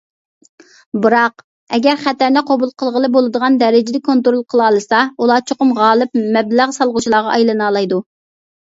بىراق، ئەگەر خەتەرنى قوبۇل قىلغىلى بولىدىغان دەرىجىدە كونترول قىلالىسا، ئۇلار چوقۇم غالىپ مەبلەغ سالغۇچىلارغا ئايلىنالايدۇ.